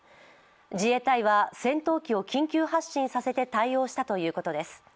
自衛隊は戦闘機を緊急発進させて対応したということです。